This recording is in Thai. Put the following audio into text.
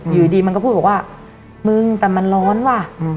อยู่ดีมันก็พูดบอกว่ามึงแต่มันร้อนว่ะ